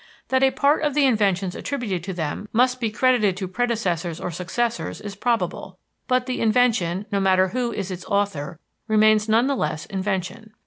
That a part of the inventions attributed to them must be credited to predecessors or successors is probable; but the invention, no matter who is its author, remains none the less invention.